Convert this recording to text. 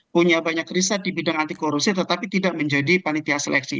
punya banyak riset di bidang anti korupsi tetapi tidak menjadi panitia seleksi